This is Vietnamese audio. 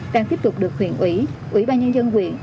đang tiếp tục được huyện ủy ủy ban nhân dân huyện